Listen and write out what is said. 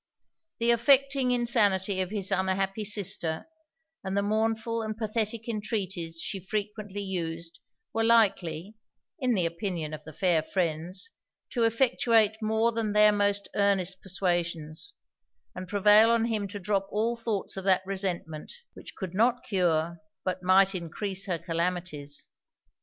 The affecting insanity of his unhappy sister, and the mournful and pathetic entreaties she frequently used, were likely, in the opinion of the fair friends, to effectuate more than their most earnest persuasions; and prevail on him to drop all thoughts of that resentment, which could not cure but might encrease her calamities.